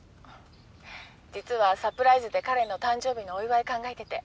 実はサプライズで彼の誕生日のお祝い考えてて。